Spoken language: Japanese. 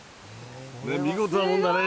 見事なもんだね。